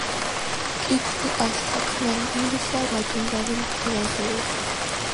ჰკითხე ასთა, ქმენ გულისა, რა გინდა ვინ გივაზიროს.